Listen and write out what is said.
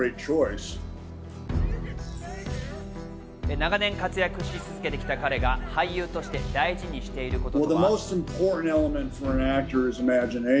長年活躍し続けてきた彼が俳優として大事にしていることは。